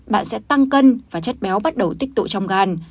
bạn sẽ tăng cân và chất béo bắt đầu tích tụ trong gan